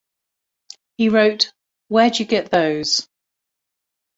He wrote Where'd You Get Those?